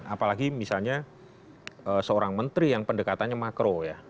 apalagi misalnya seorang menteri yang pendekatannya makro ya